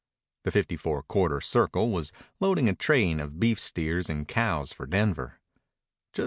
The Fifty Four Quarter Circle was loading a train of beef steers and cows for Denver.